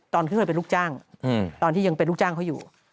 ตอนขึ้นไปเป็นลูกจ้างตอนที่ยังเป็นลูกจ้างเขาอยู่